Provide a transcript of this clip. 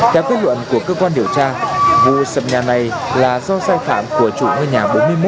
theo kết luận của cơ quan điều tra vụ sập nhà này là do sai phạm của chủ ngôi nhà bốn mươi một